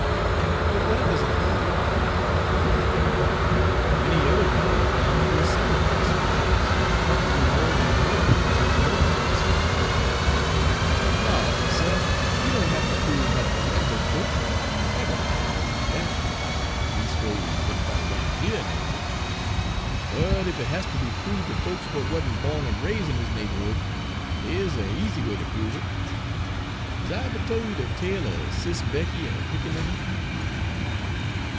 "But that doesn't prove anything," I rejoined. "Many other people have gone through a similar experience, and probably more than one of them had no rabbit's foot." "Law, suh! you doan hafter prove 'bout de rabbit foot! Eve'ybody knows dat; leas'ways eve'ybody roun' heah knows it. But ef it has ter be prove' ter folks w'at wa'n't bawn en raise' in dis naberhood, dey is a' easy way ter prove it. Is I eber tol' you de tale er Sis' Becky en her pickaninny?"